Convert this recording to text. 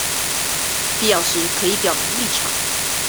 必要時可以表明立場